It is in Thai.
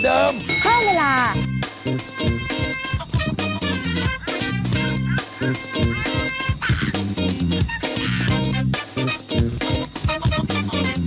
สวัสดีค่ะ